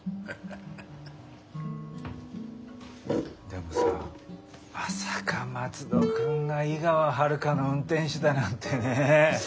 でもさまさか松戸君が井川遥の運転手だなんてね。